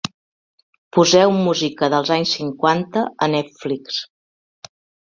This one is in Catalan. Poseu música dels anys cinquanta a Netflix